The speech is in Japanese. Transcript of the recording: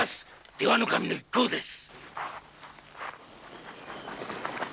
出羽守の一行です。